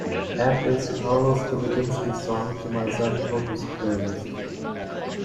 Add this carlos libedinsky song to my zen focus playlist